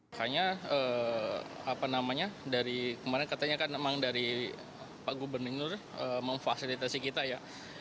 akhirnya apa namanya kemarin katanya kan memang dari pak gubernur memfasilitasi kita ya